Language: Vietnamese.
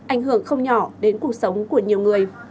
ảnh hưởng không nhỏ đến cuộc sống của nhiều người